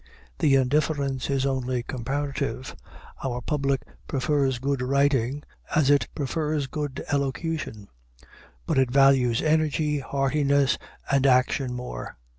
The indifference is only comparative; our public prefers good writing, as it prefers good elocution; but it values energy, heartiness, and action more.